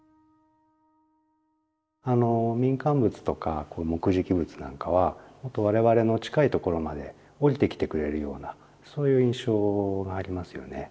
あの民間仏とか木喰仏なんかはほんと我々の近いところまでおりてきてくれるようなそういう印象がありますよね。